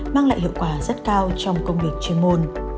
mang lại hiệu quả rất cao trong công việc chuyên môn